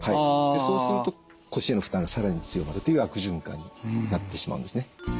そうすると腰への負担がさらに強まるという悪循環になってしまうんですね。